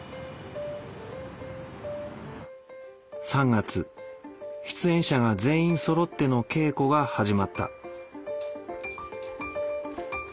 ３月出演者が全員そろっての稽古が始まった。